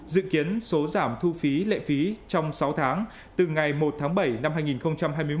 dự kiến số giảm thu phí lệ phí trong sáu tháng từ ngày một tháng bảy năm hai nghìn hai mươi một